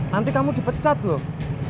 nanti kamu dipecat loh